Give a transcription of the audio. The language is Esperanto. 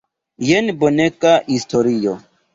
Jen bonega historio!